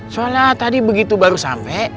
soalnya tadi begitu baru sampe